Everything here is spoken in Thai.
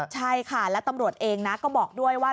ใช่ค่ะและตำรวจเองนะก็บอกด้วยว่า